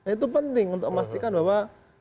itu penting untuk memastikan bahwa